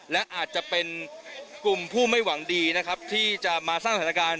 และอาจจะเป็นกลุ่มผู้ไม่หวังดีนะครับที่จะมาสร้างสถานการณ์